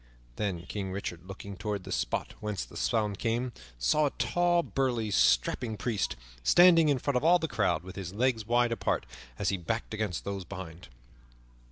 Then King Richard, looking toward the spot whence the sound came, saw a tall, burly, strapping priest standing in front of all the crowd with his legs wide apart as he backed against those behind.